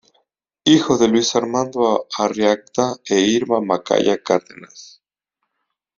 Hijo de Luis Armando Arriagada e Irma Macaya Cárdenas.